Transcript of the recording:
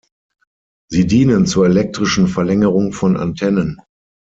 Sie dienen zur elektrischen Verlängerung von Antennen.